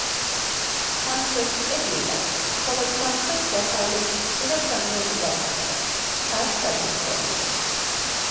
სამხრეთი კედლიდან მხოლოდ სამხრეთ-დასავლეთის მცირე ფრაგმენტი გადარჩა; ჩანს საძირკველი.